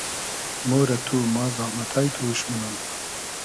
مۉ رۂ تو ، ما زامئتای تو اوش مونوم